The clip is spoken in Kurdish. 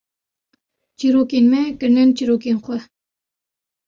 çîrokên me kirinin çîrokên xwe